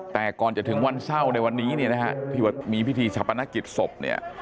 แต่ก่อนจะถึงวันเศร้าในวันนี้เนี่ยนะฮะที่มีพิธีชาปนกิจศพเนี่ย